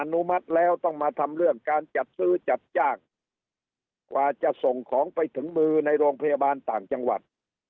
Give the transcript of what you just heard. นุมัติแล้วต้องมาทำเรื่องการจัดซื้อจัดจ้างกว่าจะส่งของไปถึงมือในโรงพยาบาลต่างจังหวัด